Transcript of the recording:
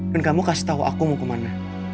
dan kamu kasih tau aku mau kemana